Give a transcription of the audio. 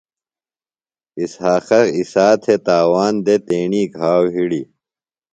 اسحاقہ عیسیٰ تھےۡ تاوان دےۡ تیݨی گھاؤ ہِڑیۡ۔